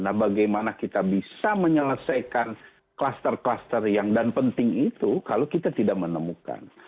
nah bagaimana kita bisa menyelesaikan kluster kluster yang dan penting itu kalau kita tidak menemukan